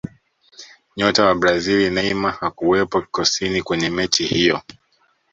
nyota wa brazili neymar hakuwepo kikosini kwenye mechi hiyo